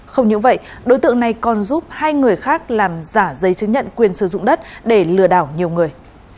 không những vậy đối tượng này còn giúp hai người khác làm giả giấy chứng nhận quyền sử dụng đất để lừa đảo nhiều người